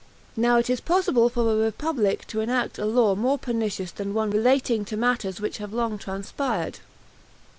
Nor is it possible for a republic to enact a law more pernicious than one relating to matters which have long transpired.